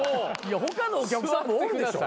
他のお客さんもおるでしょ？